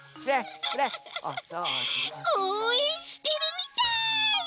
おうえんしてるみたい！